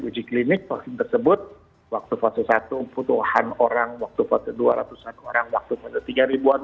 uji klinik vaksin tersebut waktu fase satu putuhan orang waktu fase dua ratus orang waktu ketiga ribuan